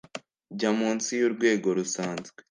jya munsi y'urwego rusanzwe